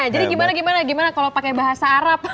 jadi gimana gimana gimana kalau pakai bahasa arab